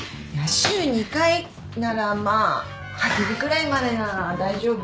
週２回ならまあ８時ぐらいまでなら大丈夫。